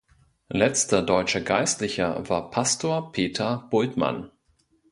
Letzter deutscher Geistlicher war Pastor Peter Bultmann.